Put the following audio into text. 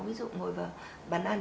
ví dụ ngồi vào bán ăn